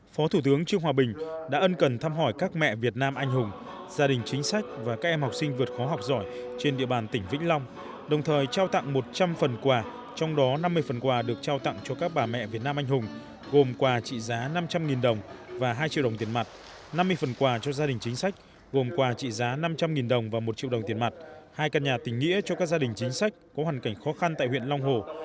phó thủ tướng trương hòa bình đã ân cần thăm hỏi các mẹ việt nam anh hùng gia đình chính sách và các em học sinh vượt khó học giỏi trên địa bàn tỉnh vĩnh long đồng thời trao tặng một trăm linh phần quà trong đó năm mươi phần quà được trao tặng cho các bà mẹ việt nam anh hùng gồm quà trị giá năm trăm linh đồng và hai triệu đồng tiền mặt năm mươi phần quà cho gia đình chính sách gồm quà trị giá năm trăm linh đồng và một triệu đồng tiền mặt hai căn nhà tình nghĩa cho các gia đình chính sách có hoàn cảnh khó khăn tại huyện long hồ